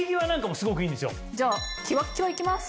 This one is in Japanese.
じゃあきわっきわいきます。